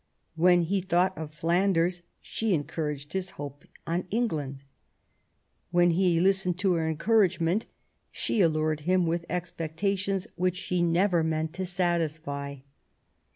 When he thought of Flanders she encouraged his hopes on England ; when he listened to her encouragement she allured him with expectations which she never meant to satisfy.